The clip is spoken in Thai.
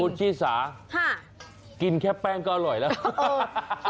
คุณชิสากินแค่แป้งก็อร่อยแล้ว